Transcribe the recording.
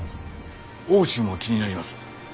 奥州も気になります。